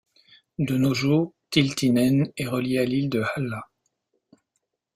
De nos jours Tiutinen est reliée à l’île de Halla.